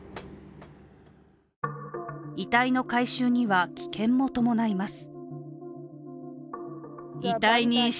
遺体の回収には危険も伴います。